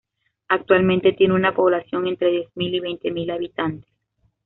Actualmente tiene una población entre diez mil y veinte mil habitantes.